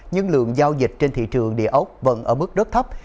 nhưng lượng giao dịch trên thị trường địa ốc vẫn ở mức rất thấp